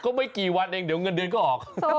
ไม่กี่วันเองเดี๋ยวเงินเดือนก็ออก